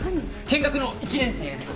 見学の１年生です。